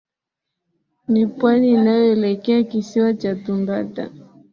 Ni pwani inayoelekea kisiwa cha Tumbata